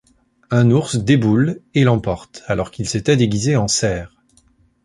Un ours déboule et l'emporte alors qu'il s'était déguisé en cerf.